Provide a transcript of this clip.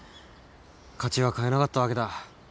勝ちは買えなかったわけだ。